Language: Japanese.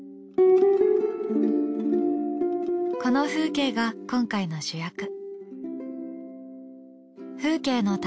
この風景が今回の主役。